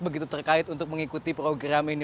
begitu terkait untuk mengikuti program ini